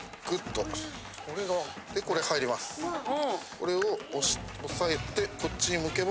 これを押さえてこっちにむけば。